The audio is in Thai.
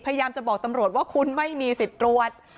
พยายามจะบอกตำรวจว่าคุณไม่มีสิทธิ์ตรวจ